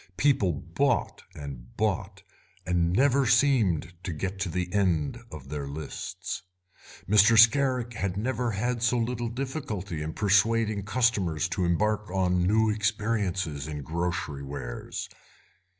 People bought and bought, and never seemed to get to the end of their lists. Mr. Scarrick had never had so little difficulty in persuading customers to embark on new experiences in grocery wares.